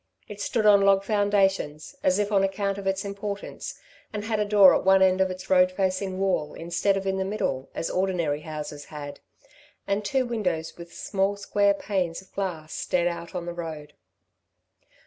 It stood on log foundations, as if on account of its importance, and had a door at one end of its road facing wall instead of in the middle, as ordinary houses had, and two windows with small square panes of glass stared out on the road.